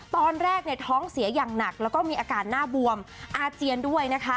ตอนแรกเนี่ยท้องเสียอย่างหนักแล้วก็มีอาการหน้าบวมอาเจียนด้วยนะคะ